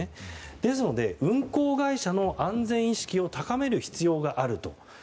ですので、運航会社の安全意識を高める必要があると。